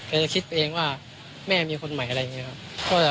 จะคิดไปเองว่าแม่มีคนใหม่อะไรอย่างนี้ครับ